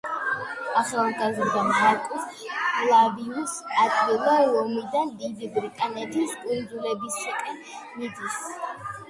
ახალგაზრდა მარკუს ფლავიუს აკვილა რომიდან დიდი ბრიტანეთის კუნძულებისკენ მიდის.